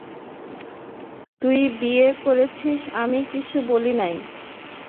তুই বিয়ে করেছিস, আমি কিছু বলি নাই।